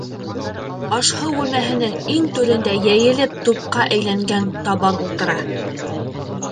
Аш-һыу бүлмәһенең иң түрендә йәйелеп тупҡа әйләнгән Табан ултыра.